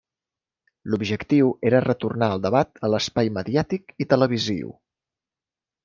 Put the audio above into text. L'objectiu era retornar el debat a l'espai mediàtic i televisiu.